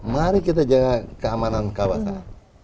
mari kita jaga keamanan kawasan